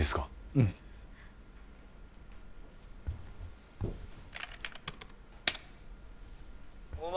うんお前